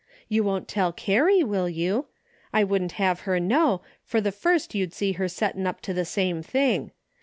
You won't tell Carrie, will you? I wouldn't have her know, for the first you'd see her settin' up to the same thing.